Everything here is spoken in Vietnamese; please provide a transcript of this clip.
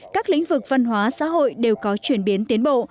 các lĩnh vực văn hóa xã hội đều có chuyển biến tiến bộ